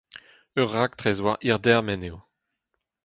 Ur raktres war hir dermen eo.